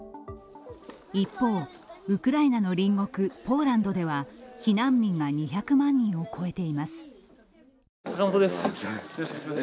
一方、ウクライナの隣国ポーランドでは避難民が２００万人を超えています。